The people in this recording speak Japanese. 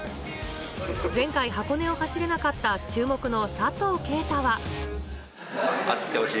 前回、箱根を走れなかった、注目の佐藤圭汰は。